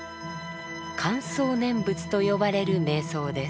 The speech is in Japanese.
「観想念仏」と呼ばれる瞑想です。